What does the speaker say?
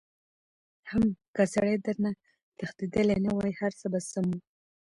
حم که سړی درنه تښتېدلی نه وای هرڅه به سم وو.